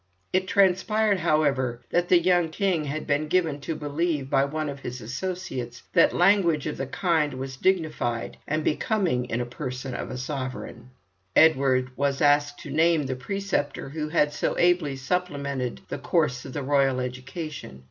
It transpired, however, that the young king had been given to believe by one of his associates that language of the kind was dignified and becoming in the person of a sovereign. Edward was asked to name the preceptor who had so ably supplemented the course of the royal education.